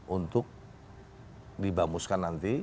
untuk dibamuskan nanti